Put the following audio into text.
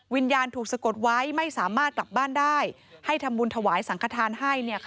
วิญญาณถูกสะกดไว้ไม่สามารถกลับบ้านได้ให้ทำบุญถวายสังขทานให้